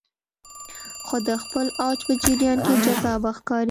خو د خپل اوج په جریان کې جذابه ښکاري